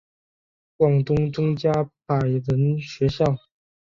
广东中加柏仁学校。